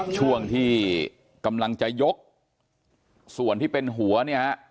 ช่วงที่กำลังจะยกส่วนที่เป็นหัวเนี่ยฮะ